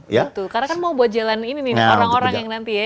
karena kan mau buat jalan ini nih orang orang yang nanti ya